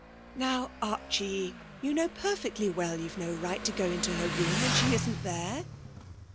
'Now, Archie, you know perfectly well you've no right to go into her room when she isn't there.'